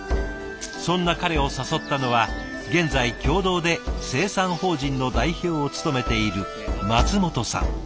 そんな彼を誘ったのは現在共同で生産法人の代表を務めている松本さん。